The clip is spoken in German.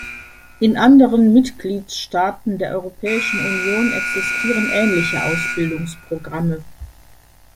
In anderen Mitgliedstaaten der Europäischen Union existieren ähnliche Ausbildungsprogramme.